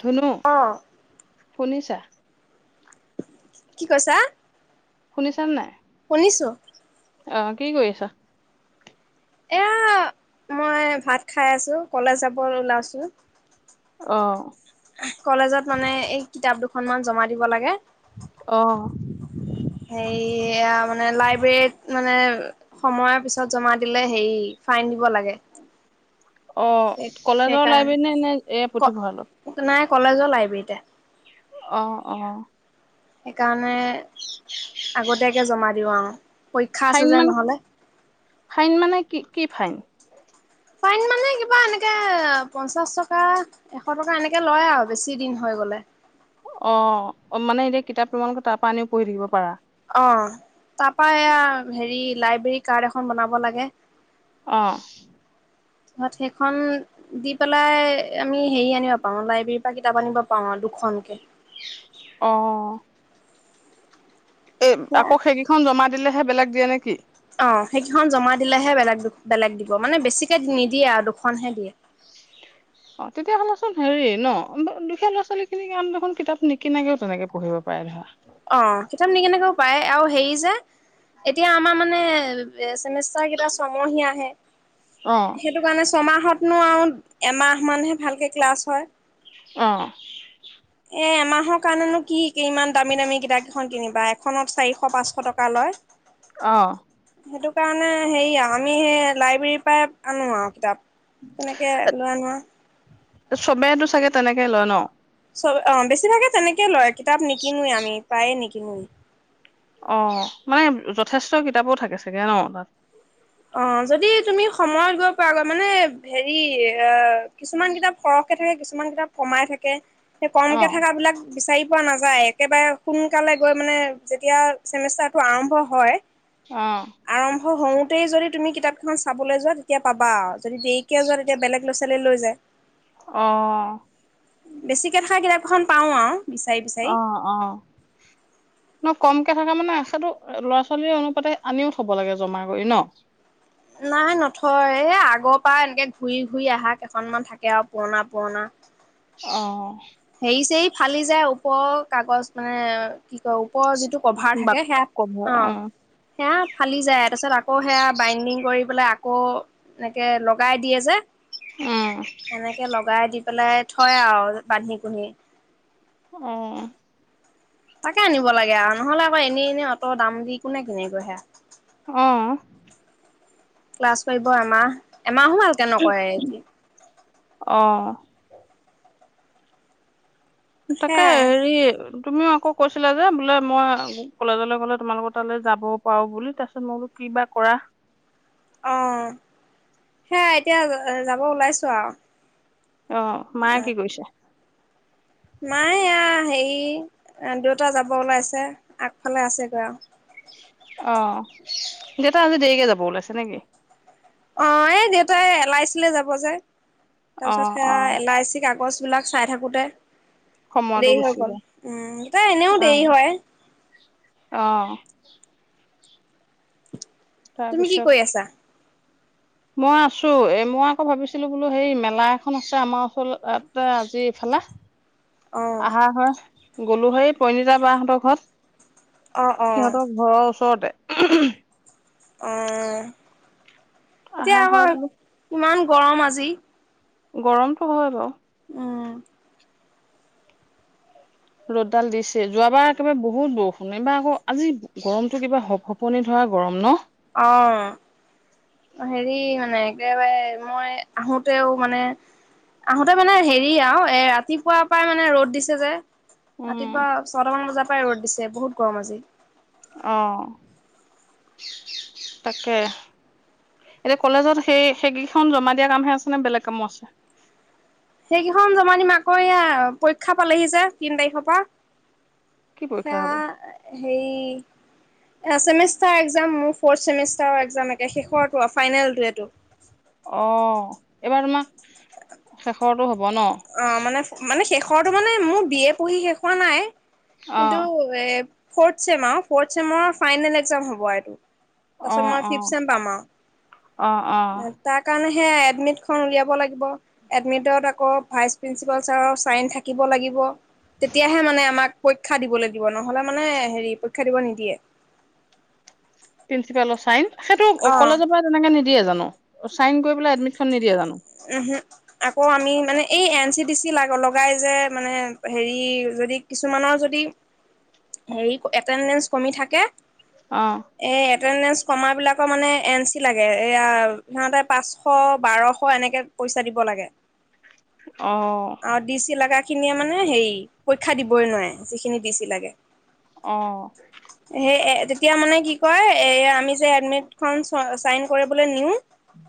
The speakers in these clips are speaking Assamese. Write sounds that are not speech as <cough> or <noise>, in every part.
ধুনো। অ শুনিছা। কি কৈছা? শুনিছা নে নাই। শুনিছোঁ। অ', কি কৰিছা? এইয়া মই ভাত খাই আছোঁ, কলেজ যাব ওলাইছোঁ। অহ। কলেজত মানে এই কিতাপ দুখন মান জমা দিব লাগে। অ'। হে মানে লাইব্ৰেৰীত মানে সময়ৰ পিছত জমা দিলে হেৰি ফাইন দিব লাগে। সেই অ', কলেজৰ সেইকাৰণে লাইব্ৰেৰী নে, নে এ, ক পুথিভঁৰালত? নাই কলেজৰ লাইব্ৰেৰীতে অ, অ। সেইকাৰণে আগতীয়াকে জমা দিওঁ আৰু। পৰীক্ষা আছে ফাইন যে মানে নহ'লে ফাইন মানে কি কি ফাইন? ফাইন মানে কিবা এনেকে পঞ্চাশ টকা এশ টকা এনেকে লয় আৰু বেছি দিন হৈ গ'লে। অ অ মানে এতিয়া কিতাপ তোমালোকে তাৰ পৰা আনিও পঢ়ি থাকিব। পাৰা অ তাৰ পৰা এয়া হেৰি, লাইব্ৰেৰী কাৰ্ড এখন বনাব লাগে। অ'। <unintelligible> সেইখন দি পেলাই আমি হেৰি আনিব পাৰো লাইব্ৰেৰীৰ পৰা কিতাপ আনিব পাৰো আৰু দুখনকে, অ' এ' আকৌ সেইকেইখন জমা দিলেহে। বিলাক দিয়ে নেকি? অ', সেইকেইখন জমা দিলেহে বেলেগ বেলেগ দিব মানে বেছিকে নিদিয়ে আৰু দুখনহে দিয়ে। অ তেতিয়া হ'লেচোন হেৰি ন দুখীয়া ল'ৰা ছোৱালী খিনিক <unintelligible> দেখোন কিতাপ নিকিনাকেও তেনেকে পঢ়িব পাৰে ধৰা। অ', কিতাপ নিকিনাকেও। পায় আৰু হেৰি যে এতিয়া আমাৰ মানে চেমিষ্টাৰ কেইটা ছমহীয়াহে। অ সেইটো কাৰণে ছমাহত নো আৰু এমাহমানহে ভালকে ক্লাছ হয়। অ'। এ এমাহৰ কাৰণেনো কি ইমান দামী দামী কিতাপ কেইখন কিনিবা এখনত চাৰিশ পাঁচশ টকা লয়। অ' সেইটো কাৰণে হেৰি আৰু আমি সেই লাইব্ৰেৰীৰ পৰাই আনো আৰু কিতাপ তেনেকে লোৱা নোৱা চবেইতো চাগে তেনেকে লয় ন'? <unintelligible> বেছিভাগে তেনেকে লয়। কিতাপ নিকিনোৱে আমি প্ৰায়ে নিকিনো। <inaudible> অ', মানে যথেষ্ট কিতাপো থাকে চাগে ন' তাত। অ', যদি তুমি সময়তগৈ পোৱাগৈ মানে হেৰি কিছুমান কিতাপ সৰহকে থাকে কিছুমান কিতাপ কমাই থাকে। সেই অ কমকে থকা বিলাক বিচাৰি, পোৱা নাযায় একেবাৰে সোনকালে গৈ মানে যেতিয়া চেমিষ্টাৰটো আৰম্ভ হয় অ'। <inaudible> গোটেই যদি তুমি কিতাপখন চাবলৈ যোৱা তেতিয়া পাবা আৰু যদি দেৰিকে যোৱা তেতিয়া বেলেগ লৰা ছোৱালী লৈ যায়। অ' বেছিকে থকা কিতাপ কেইখন পাও আৰু, বিচাৰি বিচাৰি। অ', অ'। ন কমকে থকা মানে <unintelligible> ল'ৰা ছোৱালীৰ অনুপাতে আনিও থব লাগে জমা কৰি ন! নাই নথয় এ আগৰ পৰা এনেকে ঘূৰি ঘূৰি আহা কেইখনমান থাকে আৰু পুৰণা পুৰণা অ'। হেৰি চেৰি ফালি যায় ওপৰৰ কাগজ মানে কি কয় ওপৰৰ যিটো কভাৰ থাকে বাক সেয়া কভাৰ অ', সেয়া ফালি যায় তাৰপিছত আকৌ সেয়া বাইণ্ডিং কৰি পেলাই আকৌ এনেকে লগাই দিয়ে যে উম এনেকে লগাই দি পেলাই থয় আৰু বান্ধি <unintelligible> উম। তাকে আনিব লাগে আৰু নহ'লে আকৌ এনেই এনেই অত দাম দি কোনে কনে গৈ হেয়া অ'। ক্লাছ ফাইভৰ আমাৰ এমাহো ভালকে নকৰে অ'। তাকে সেয়াই হেৰি তুমিও আকৌ কৈছিলা যে, বোলে মই কলেজলৈ গ'লে তোমালোকৰ তালৈ যাব পাৰো বুলি তাৰ পিছত মই বোলো কিবা কৰা। অ', সেয়া এতিয়া যাব ওলাইছো আৰু অ', মায়ে কি কৈছে? মায়ে এয়া হেৰি দেউটা যাব ওলাইছে আগফালে আছেগৈ আৰু অহ, দেউতা আজি দেৰিকে যাব ওলাইছে নেকি? অ', এই দেউতাই এ লাই ছিলে যাব যে। তাৰ অ পিছত সেয়া অ এলাইচি কাগজ বিলাক চাই থাকোঁতে সময়তো দেৰি হৈ গুচি গল যায় উম তাই এনেও অ দেৰি হয় অ'। তুমি কি তাৰপিছত কৰি আছা? মই আছো এ মই আকৌ ভাবিছিলো বোলো হেই মেলা এখন আছে আমাৰ <inaudible> আজি ইফালে। অ আহা হৈ গ'লো হৈ এই পৰিণীতা বাহতৰ ঘৰত অ অ সিহতৰ ঘৰৰ ওচৰতে <inaudible> অ'। এতিয়া আহা আকৌ হয় বোলো ইমান গৰম আজি গৰমটো হয় বাৰু। উম ৰ'দডাল দিছে যোৱাবাৰ একেবাৰে বহুত বৰষুণ এইবাৰ আকৌ আজি গৰমটো কিবা হপ হপনি ধৰা গৰম ন? অ' হেৰি মানে একেবাৰে মই আহোতেও মানে আহোতে মানে হেৰি আৰু এ ৰাতিপুৱা পৰাই মানে ৰ'দ দিছে যে। উম ৰাতিপুৱা ছটামান বজাৰ পৰাই ৰ'দ দিছে বহুত গৰম আজি। অ', তাকে এতিয়া কলেজত সেই সেইকিইখন জমা দিয়া কামহে আছে নে? বেলেগ কামো আছে? সেইকেইখন জমাই দিম আকৌ এ পৰীক্ষা পালেহি যে, তিন তাৰিখৰ পা কি পৰীক্ষা হ'ব সেইয়া হেয়ি ছেমিষ্টাৰ এক্সাম ফৰ্থ ছেমিষ্টাৰ এক্স এক্সাম একে শেষৰটো আৰু ফাইনেলটো এইটো। অ', এইবাৰ তোমাৰ শেষৰটো হ'ব ন অ', মানে মানে শেষ ৰতটো মানে মোৰ বি এ পঢ়ি শেষ হোৱা নাই। কিন্তু অ', এ ফৰ্থ ছেম আৰু ফৰ্থ ছেমৰ ফাইনেল এক্সাম হ'ব এইটো। অ তাৰপিছত মই অ ফিফ চেম পাম অ অ আৰু তাৰ কাৰণে হে এডমিটখন উলিয়াব লাগিব এডমিটত আকৌ ভাইচ প্ৰিন্সিপাল ছাৰৰ চাইন থাকিব লাগিব তেতিয়াহে মানে আমাক পৰীক্ষা দিবলৈ দিব নহ'লে মানে পৰীক্ষা দিব নিদিয়ে। প্ৰিন্সিপালৰ চাইন। সেইটো অ কলেজৰ পৰা তেনেকে নিদ দিয়ে জানো চাইন কৰি পেলাই এডমিটখন নিদিয়ে জানো? আকৌ আমি মানে এই এন চিটি চি লগাই যে, মানে হেৰি যদি কিছুমানৰ যদি হেৰি এটেণ্ডেঞ্চ কমি থাকে। অ এ এটেণ্ডেঞ্চ কমাৰবিলাকৰ মানে এনচি লাগে, এয়া সিহঁতে পাঁচশ, বাৰশ শ এনেকে পইচা দিব লাগে। অ অ', ডি চি লাগা খিনিয়ে মানে হেৰি, পৰীক্ষা দিব বৈ নোৱাৰে যিখিনি ডি‌ চি লাগে। অ'। সেই এ তেতিয়া মানে কি কয়, এয়া আমি যে এডমিটখন চ-চাইন কৰিবলৈ নিওঁ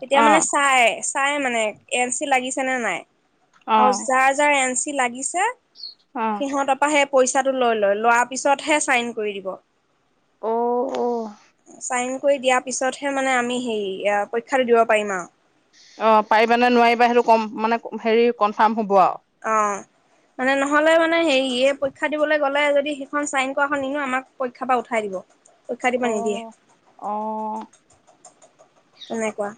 তেতিয়া অ মানে চাই। চাই মানে, এন চি লাগিছে নে নাই? অ', যাৰ যাৰ এন চি ই লাগিছে অ সিহঁতৰ পাহে পইচাটো লৈ লয়, লোৱাৰ পিছতহে চাইন কৰি দিব, অ চাইন কৰি দিয়াৰ পিছতহে মানে আমি হেৰি, পৰীক্ষাটো দিব পাৰিম আৰু। অ', পাৰিবা নে নোৱাৰিবা, সেইটো কম মানে হেৰি কনফাৰ্ম হ'ব আৰু। অ', মানে নহ'লে মানে হেৰি য়ে পৰীক্ষা দিবলৈ গ'লে যদি সিখন চাইন কৰাখন নিনো, আমাক পৰীক্ষাৰ পৰা উঠাই দিব। পৰীক্ষা দিব নিদিয়ে অ', অ', তেনেকুৱা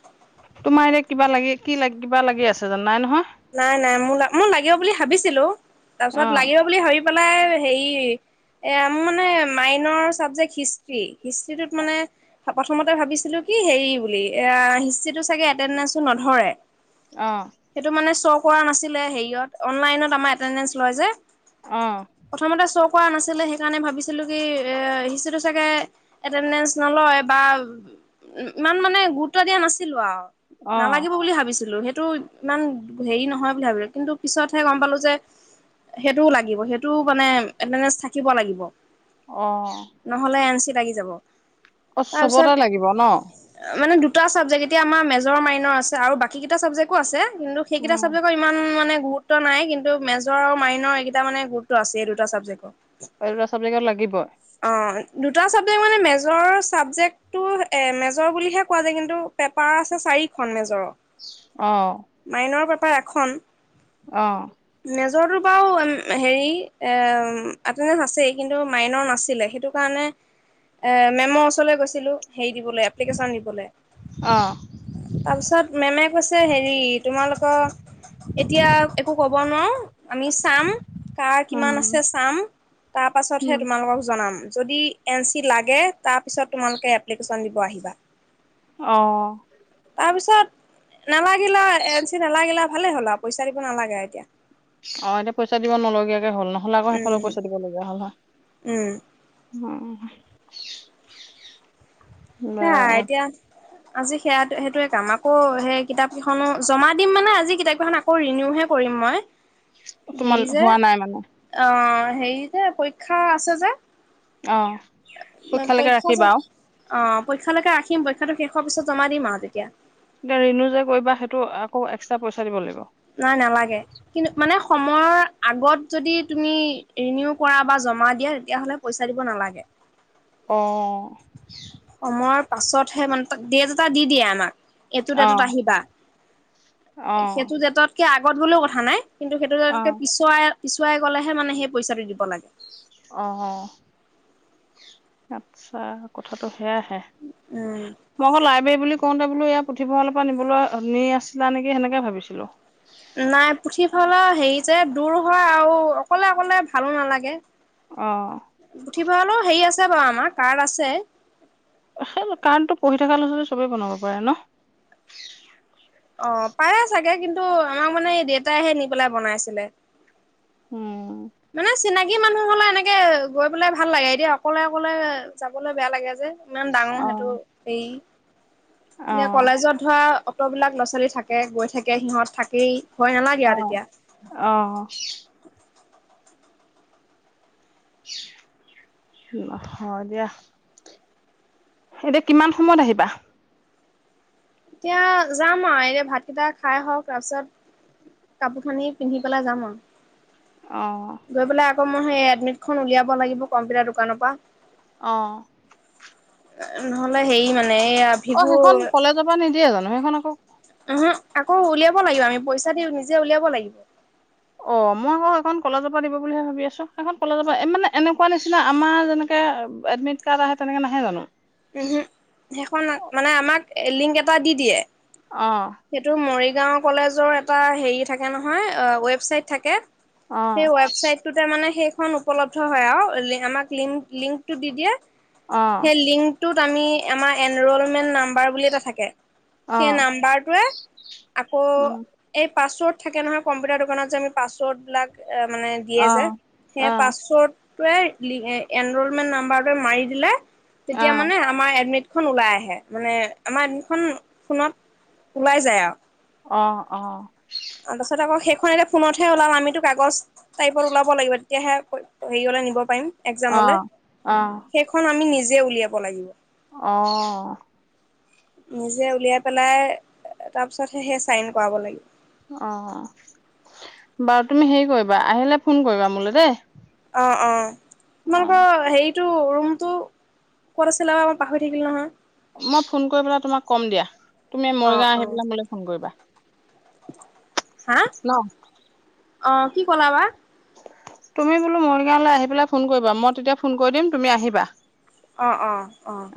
তোমাৰ এতিয়া কিবা লাগে? কি লাগ, কিবা লাগি আছে জানো? নাই নহয় নাই, নাই, মোৰ লা, মোৰ লাগিব বুলি ভাবিছিলোঁ, অ তাৰপিছত লাগিব বুলি ভাবি পেলাই হেৰি এয়া মোৰ মানে মাইনৰ চাবজেক্ট হিষ্ট্ৰী, হিষ্ট্ৰীটোত মানে প্ৰথমতে ভাবিছিলোঁ কি হেৰি বুলি, হিষ্ট্ৰীটো চাগে এটেনডেঞ্চটো নধৰে। অ <unintelligible> মানে শ্ব' কৰা নাছিলে হেৰিয়ত অনলাইনত আমাৰ এটেণ্ডেঞ্চ লয় যে অ প্ৰথমতে চব কৰা নাছিলে সেইকাৰণে ভাবিছিলো কি এ সিচটোো চাগে এটেডেঞ্চ নলয় বা ইমান মানে গুৰুত্ব দিয়া নাছিলো আৰু অ নালাগিব বুলি ভাবিছিলো সেই টো <unintelligible> ইমান হেৰি নহয় বুলি ভাবিলো, কিন্তু পিছতহে গম পালো যে, সেইটোও লাগিব সেইটোও মানে আতেন্দেন্স থাকিব লাগিব। অ নহ'লে এন চি লাগি যাব অ' তাৰপিছত চবতে লাগিব ন? মানে দুটা চাবজেক্ট এতিয়া আমাৰ মেজৰ মাইনৰ আছে আৰু বাকীকেইটা চাবজেক্টো আছে। কিন্তু সেইকেইটা উম চাবজেক্টৰ ইমান মানে গুৰুত্ব নাই কিন্তু মেজৰ আৰু মাইনৰ এইকেইটা মানে গুৰুত্ব আছে এই দুটা চাবজেক্টৰ এই দুটা চাবজেক্টৰ লাগিব। অ', দুটা চাবজেক্ট মানে মেজৰ চাবজেক্টটো এ মেজৰ বুলিহে কোৱা যায় কিন্তু পেপাৰ আছে চাৰিখন মেজৰৰ <unintelligible> মাইনৰ পেপাৰ পেপাৰ এখন। অ'। মেজৰটোৰ বাৰু হেৰি এটেণ্ডেঞ্চ আছেই কিন্তু মাইনৰ নাছিলে সেইটো কাৰণে মেমৰ ওচৰলৈ গৈছিলোঁ। হেৰি দিবলৈ এপ্লিকেচন দিবলৈ অ তাৰপিছত মেমে কৈছে হেৰি তোমালোকৰ এতিয়া একো ক'ব নোৱাৰোঁ আমি চাম কাৰ কিমান উম, আছে চাম তাৰ পাছতহে উম, তোমালোকক জনাম যদি এন চি লাগে তাৰপিছত তোমালোকে এপ্লিকেশ্যন দিব আহিবা। অ তাৰপিছত নালাগিলে এন চি নালাগিল ভালে হ'ল আৰু পইচা দিব নালাগে এতিয়া। অ' এতিয়া পইচা দিব নলগিয়া নলগিয়া হ'ল নহলে আকৌ সেইফালেও উম পইচা দিব লগা হ'ল হয়। উম উম সেইয়া বাৰু এতিয়া আজি সেয়া সেইটো কাম আকৌ সেই কিতাপ কেইখনো জমা দিম মানে আজি কিতাপ কেইখন আকৌ ৰিনিউহে কৰিম মই তোমাৰ সেই যে হোৱা নাই মানে অ' হেৰি যে, পৰীক্ষা আছে যে অ'। <unintelligible> অ'। পৰীক্ষালৈকে ৰাখিবা আৰু। পৰীক্ষালকে ৰাখিম পৰীক্ষাটো শেষ পিছত জমা দিম আৰু তেতিয়া এতিয়া ৰিণু যে, কৰিবা সেইটো আকৌ এক্সট্ৰা পইচা দিব লাগিব। নাই নালাগে কিন্তু মানে সময়ৰ আগত যদি তুমি ৰিনিউ কৰা বা জমা দিয়া তেতিয়াহ'লে পইচা দিব নালাগে। অ'। সময়ৰ পাছতহে মানে দেত এটা দি দিয়ে আমাক এটোত এটোত অ', আহিবা অ', সেইটো ডেটত কে আগত গ'লেও কথা নাই। কিন্তু সেইটো দেটতকে অ', পিছুৱাই পিছুৱাই গ'লেহে মানে সেই পইচাটো দিব লাগে। অ'। আতছা কথাটো সেয়াহে উম মই আকৌ লাইব্ৰেৰী বুলি কওঁতে বোলো ইয়াৰ পুথিভঁৰালৰ পৰা নিবলৈ নি আছিলা নেকি সেনেকে ভাবিছিলো। নাই পুথিভঁৰালৰ হেৰি যে, দূৰ হয় আৰু অকলে অকলে ভালো নালাগে। অ', পুথিভঁৰালৰ হেৰি আছে আছে বাৰু আমাৰ কাৰ্ড আছেই। আ সেয়ে কাৰেণটো পঢ়ি থকা ল'ৰা-ছোৱালী চবেই বনাব পাৰে ন? অ', পাৰে চাগে, কিন্তু আমাক মানে এই দেউতাইহে নি পেলাই বনাইছিলে। উম। মানেচ চিনাকি মানুহ হ'লে এনেকে গৈ পেলাই ভাল লাগে, এতিয়া অকলে অকলে যাবলৈ বেয়া লাগে যে ইমান ডাঙৰ সেইটো অ', হেৰি, এতিয়া অ', কলেজত ধৰা অত'বিলাক ল'ৰা-ছোৱালী থাকে, গৈ থাকে সিহঁত থাকেই। ভয় নালাগে আৰু অ', তেতিয়া। অ'। হয় দিয়া। এতিয়া কিমান সময়ত আহিবা? এতিয়া যাম আৰু এতিয়া ভাতকেইটা খাই হওঁক, তাৰপিছত কাপোৰ-খানি পিন্ধি পেলাই যাম আৰু অ'। গৈ পেলাই মই সৈ এডমিটখন উলিয়াব লাগিব, কম্পিউটাৰ দোকানৰ পৰা। অ'। নহ'লে হেৰি মানে এইয়া অ', ভিগু সেইখন কলেজৰ পৰা নিদিয়ে জানো? সেইখন আকৌ উহম, আকৌ উলিয়াব লাগিব আমি, পইচা দি নিজে উলিয়াব লাগিব। অ', মই আকৌ সেইখন কলেজৰ পৰা দিব বুলিহে ভাবি আছোঁ, সেইখন কলেজৰ পৰা, মানে এনেকুৱা নিচিনা আমাৰ যেনেকে এডমিট কাৰ্ড আহে তেনেকে নাহে জানো? উহ সেইখন মানে আমাক লিংক এটা দি দিয়ে অ', সেইটো মৰি গাওঁ কলেজৰ এটা হেৰি থাকে নহয় ৱেবচাইট থাকে। সেই অ', ৱেবচাইটটোতে মানে সেই খ উপলব্ধ হয় আৰু আমাক লং লিংক টো দি দিয়ে। অ', সেই লিংক টোত আমি আমাৰ এনৰলমেন্ট নাম্বাৰ বুলি এটা থাকে সেই অ', নাম্বাৰ <unintelligible> আকৌ উম এই পাছৱৰ্ড থাকে নহয় কম্পিউটাৰ দোকানত যে আমি পাছৱৰ্ড‌‌ বিলাক এ মানে দিয়ে যে অ', সেই অ', পাছৱৰ্ড টোৱে এনৰলমেন্ট নাম্বাৰটোৱে মাৰি দিলে তেতিয়া অ', মানে আমাৰ এডমিট খন ওলাই আহে মানে আমাৰ <unintelligible> ফোনত ওলাই যায় আৰু অ অ তাৰপাছত আকৌ সেইখন এতিয়া ফোনতহে ওলাম আমিতো কাগজ টাইপত ওলাব লাগিব তেতিয়াহে হেৰি অলে নিব পাৰিম। একজামলৈ অ', অ', সেইখন আমি নি নিজে উলিয়াব লাগিব। অ'। নিজে উলিয়াই পেলাই তাৰ পিছত সেই চাইন কৰাব লাগিব। অ' বাৰু তুমি হেৰি কৰিবা আহিলে ফোন কৰিবা মোলৈ দেই। অ অঁ অ'। তোমালোকৰ হেৰিটো ৰুম টো ক'ত আছিলবা মই পাহৰি থাকিলো নহয় মই ফোন কৰি পেলাই তোমাক কম দিয়া তুমি অ', মৰিগাঁও আহি অ', পেলাই মোলৈ ফোন কৰিবা। হা ন? অ কি কলা বা তুমি বোলো মৰিগাঁওলৈ আহি পেলাই ফোন কৰিবা মই তেতিয়া ফোন কৰি দিম তুমি আহিবা। অ'‌ অ' অ'।